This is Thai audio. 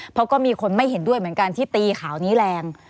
เพราะก็มีคนไม่เห็นด้วยเหมือนกันที่ตีข่าวนี้แรง